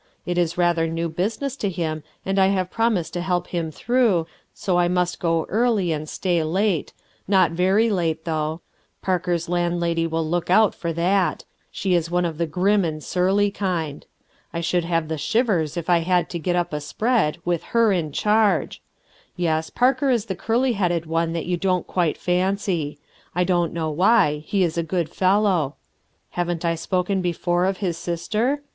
It is rather new business to him and I have promised to help him through, so I must go early and stay late — not very late, though. Parker's land lady will look out for that; she is one of the grim and surly kind. I should have the shivers if I had to get up a spread, with her in charge. Yes, Parker is the curly headed one that you don't quite fancy. I don't know why, he is a good fellow. Haven't I spoken before of his sister?